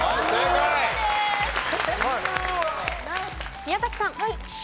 宮崎さん。